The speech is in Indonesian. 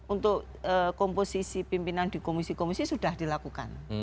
untuk komposisi pimpinan di komisi komisi sudah dilakukan